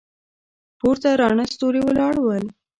پورته راڼه ستوري ولاړ ول.